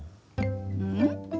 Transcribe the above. うん？